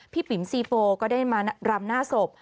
ปิ๋มซีโปก็ได้มารำหน้าศพ